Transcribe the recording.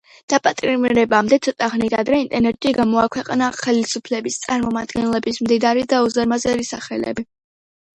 დაპატიმრებამდე ცოტა ხნით ადრე, ინტერნეტში გამოაქვეყნა ხელისუფლების წარმომადგენლების მდიდარი და უზარმაზარი სახლები.